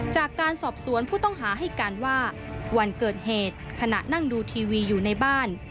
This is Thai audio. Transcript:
จากการสอบสวนผู้ต้องหาให้การว่าวันเกิดเหตุขณะนั่งดูทีวีอยู่ในบ้าน